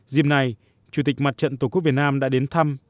dìm này chủ tịch mặt trận tổ quốc việt nam đã đến thăm